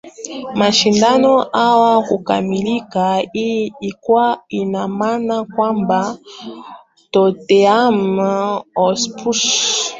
mashindano hayo kukamilika hii ikiwa ina maana kwamba tottenham hotspurs